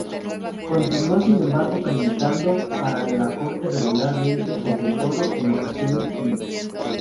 Continuó, sin embargo, predicando para la corte regularmente, sobre todo en ocasiones fúnebres.